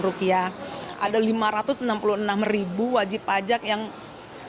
rp lima ratus enam puluh enam ribu wajib pajak yang belum pernah lapor